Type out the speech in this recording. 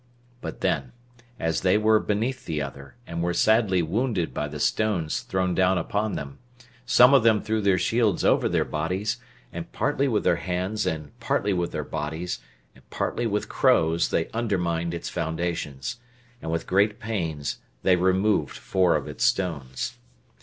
But then, as they were beneath the other, and were sadly wounded by the stones thrown down upon them, some of them threw their shields over their bodies, and partly with their hands, and partly with their bodies, and partly with crows, they undermined its foundations, and with great pains they removed four of its stones.